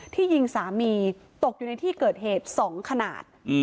ยิงสามีตกอยู่ในที่เกิดเหตุ๒ขนาด